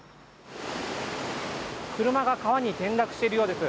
車が川に転落しているようです。